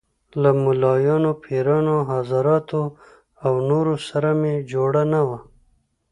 له ملايانو، پیرانو، حضرتانو او نورو سره مې جوړه نه وه.